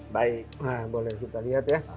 baik boleh kita lihat ya